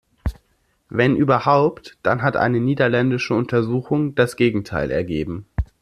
Wenn überhaupt, dann hat eine niederländische Untersuchung das Gegenteil ergeben.